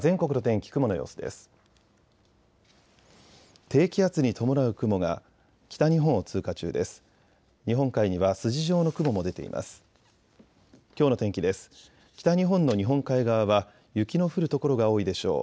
北日本の日本海側は雪の降る所が多いでしょう。